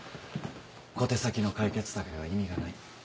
小手先の解決策では意味がない。